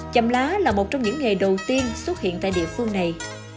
chầm lá là một trong những nghề đầu tiên xuất hiện tại địa phương này